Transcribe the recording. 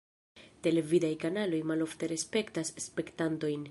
Televidaj kanaloj malofte respektas spektantojn.